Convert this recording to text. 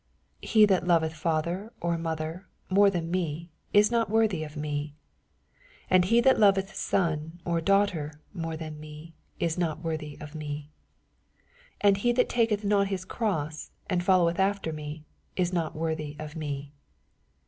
87 He that loveth father or mother more than me is not worthy of me : and he that loveth son or daughter more than me is not worthy of me. 88 And he that taketh not his cross, and followeth after me, is not worthy of me.